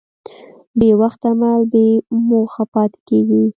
بېوخته عمل بېموخه پاتې کېږي.